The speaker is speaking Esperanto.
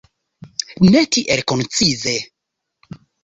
Ne tiel koncize.